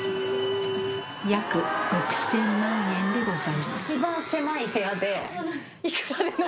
約６０００万円でございます。